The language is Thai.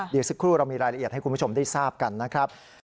เดี๋ยวสักครู่เรามีรายละเอียดให้คุณผู้ชมได้ทราบกันนะครับ